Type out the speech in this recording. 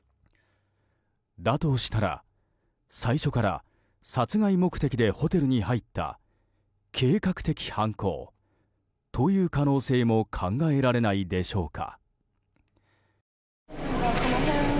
だとしたら、最初から殺害目的でホテルに入った計画的犯行という可能性も考えられないでしょうか。